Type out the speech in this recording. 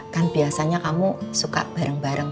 kan biasanya kamu suka bareng bareng